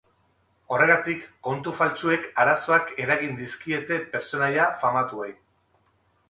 Horregatik, kontu faltsuek arazoak eragin dizkiete pertsonaia famatuei.